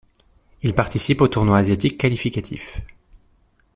Il participe au tournoi asiatique qualificatif.